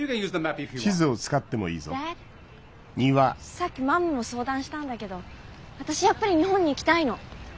さっきマムにも相談したんだけど私やっぱり日本に行きたいの。